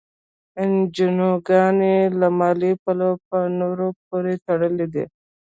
انجوګانې له مالي پلوه په نورو پورې تړلي دي.